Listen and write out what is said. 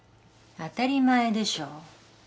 当たり前でしょ。